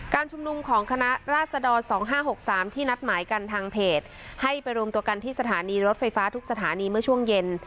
ชุมนุมของคณะราษฎร๒๕๖๓ที่นัดหมายกันทางเพจให้ไปรวมตัวกันที่สถานีรถไฟฟ้าทุกสถานีเมื่อช่วงเย็น